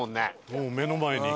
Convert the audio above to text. もう目の前に。